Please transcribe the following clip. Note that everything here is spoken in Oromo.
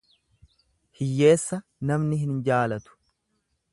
Hiyyeessa namni hin jaalatu.